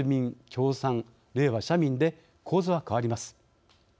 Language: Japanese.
・共産・れいわ・社民で構図が変わります。